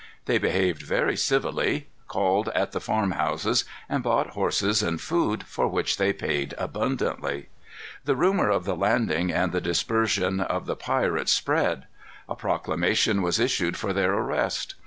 They behaved very civilly; called at the farm houses, and bought horses and food, for which they paid abundantly. The rumor of the landing and dispersion of the pirates spread. A proclamation was issued for their arrest.